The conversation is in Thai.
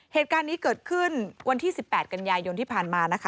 เหตุการณ์นี้เกิดขึ้นวันที่๑๘กันยายนที่ผ่านมานะคะ